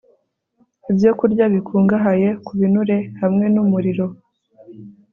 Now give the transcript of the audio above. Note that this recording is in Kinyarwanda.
Ibyokurya Bikungahaye ku Binure hamwe nUmuriro